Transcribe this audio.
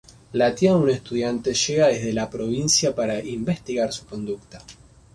La tía de un estudiante llega desde la provincia para investigar su conducta.